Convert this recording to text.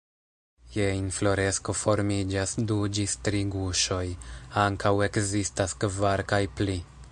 Je infloresko formiĝas du ĝis tri guŝoj, ankaŭ ekzistas kvar kaj pli.